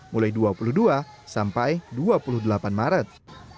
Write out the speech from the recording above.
mulai dua puluh dua sampai dua puluh delapan maret